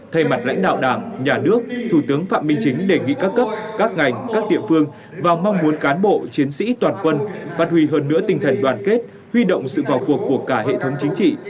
thay mặt lãnh đạo đảng nhà nước thủ tướng phạm minh chính đề nghị các cấp các ngành các địa phương và mong muốn cán bộ chiến sĩ toàn quân phát huy hơn nữa tinh thần đoàn kết huy động sự vào cuộc của cả hệ thống chính trị